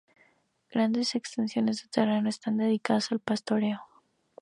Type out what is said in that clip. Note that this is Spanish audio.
Grandes extensiones de terreno están dedicadas al pastoreo.